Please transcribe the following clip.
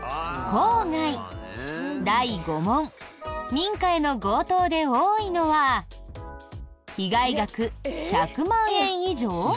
民家への強盗で多いのは被害額１００万円以上？